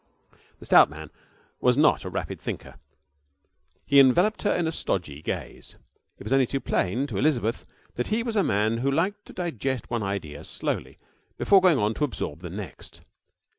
The stout man was not a rapid thinker. He enveloped her in a stodgy gaze. It was only too plain to Elizabeth that he was a man who liked to digest one idea slowly before going on to absorb the next.